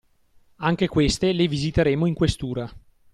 Anche queste le visiteremo in Questura.